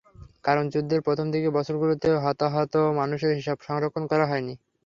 কারণ, যুদ্ধের প্রথম দিকের বছরগুলোর হতাহত মানুষের হিসাব সংরক্ষণ করা হয়নি।